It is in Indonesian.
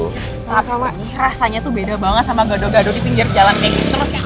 saat pertama rasanya tuh beda banget sama gado gado di pinggir jalan kayak gitu